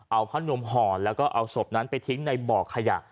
เอาผ้านมห่อแล้วก็เอาศพนั้นไปทิ้งในบ่อขยะ